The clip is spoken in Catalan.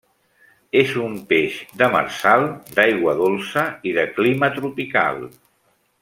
És un peix demersal, d'aigua dolça i de clima tropical.